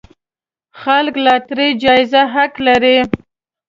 خلک لاټرۍ جايزه حق لري.